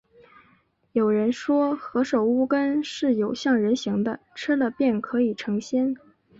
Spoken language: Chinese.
有人说，何首乌根是有像人形的，吃了便可以成仙